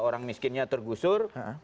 orang miskinnya tergusur